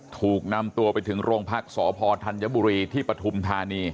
ถูกนำตัวไปถึงโรงพักษพธัญบุรีที่ปฐุมธานี